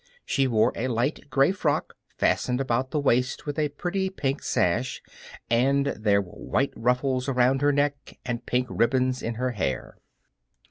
She wore a light gray frock, fastened about the waist with a pretty pink sash, and there were white ruffles around her neck and pink ribbons in her hair.